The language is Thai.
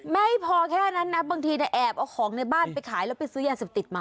ไม่พอแค่นั้นนะบางทีแอบเอาของในบ้านไปขายแล้วไปซื้อยาเสพติดมา